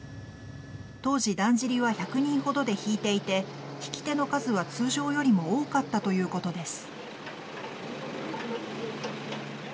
当時、だんじりは１００人ほどで引いていて引き手の数は、通常よりも多かったということです。